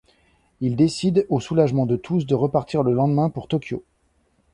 Il décide au soulagement de tous de repartir le lendemain pour Tokyo.